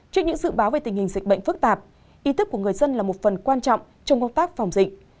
trước những dự báo về tình hình dịch bệnh phức tạp ý thức của người dân là một phần quan trọng trong công tác phòng dịch